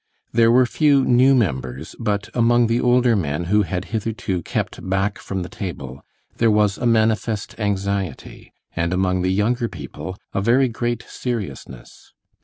There were few new members, but among the older men who had hitherto kept "back from the table" there was a manifest anxiety, and among the younger people a very great seriousness.